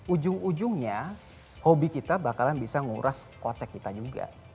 ujung ujungnya hobi kita bakalan bisa nguras kocek kita juga